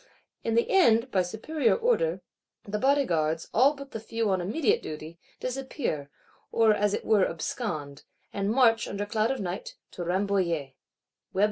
In the end, by superior Order, the Bodyguards, all but the few on immediate duty, disappear; or as it were abscond; and march, under cloud of night, to Rambouillet.